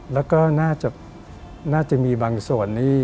แล้วก็น่าจะมีบางส่วนนี่